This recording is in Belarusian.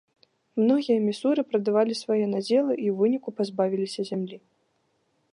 Многія місуры прадавалі свае надзелы і ў выніку пазбавіліся зямлі.